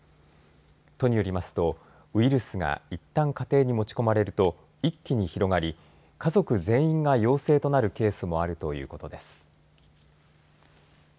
都によりますとウイルスがいったん家庭に持ち込まれると一気に広がり家族全員が陽性となるケースもあるということです。